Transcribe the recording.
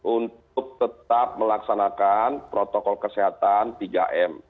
untuk tetap melaksanakan protokol kesehatan tiga m